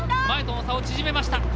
前との差を縮めました。